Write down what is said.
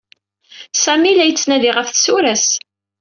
Sami la yettnadi ɣef tsura-s.